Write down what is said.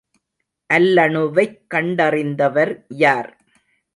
அல்லணுவைக் கண்டறிந்தவர் யார்?